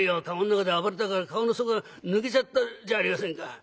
駕籠の中で暴れたから駕籠の底が抜けちゃったじゃありませんか」。